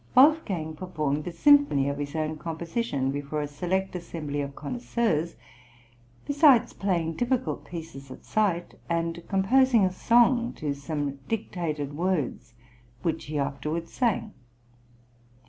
Wolfgang performed a symphony of his own composition before a select assembly of connoisseurs, besides playing difficult pieces at sight, and composing a song to some dictated words, which he afterwards sang.